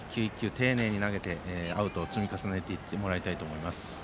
丁寧に投げてアウトを積み重ねていってもらいたいと思います。